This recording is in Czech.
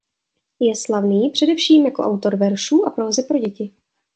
Je slavný především jako autor veršů a prózy pro děti.